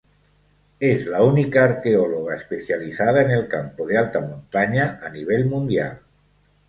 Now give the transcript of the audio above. Es la única arqueóloga especializada en el campo de Alta Montaña a nivel mundial.